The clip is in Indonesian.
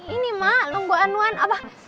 ini mak nunggu anuan apa